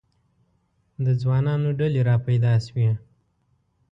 د ځوانانو ډلې را پیدا شوې.